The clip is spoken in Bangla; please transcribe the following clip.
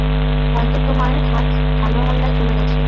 হয়তো তোমার হাত ভালহাল্লায় চলে গেছে।